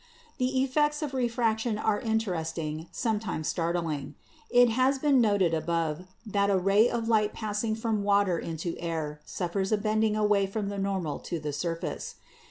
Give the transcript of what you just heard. The effects of refraction are interest ing, sometimes startling. It has been noted above that a ray of light passing from water into air suffers a bending away from the normal to the surface.